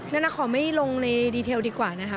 นานาขอไม่ลงในรายละเอียดดีกว่านะครับ